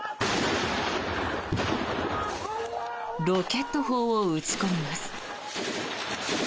ロケット砲を撃ち込みます。